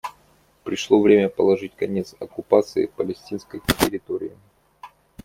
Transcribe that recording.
Пришло время положить конец оккупации палестинской территории.